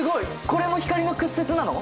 これも光の屈折なの？